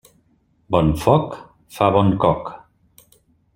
Bon foc fa bon coc.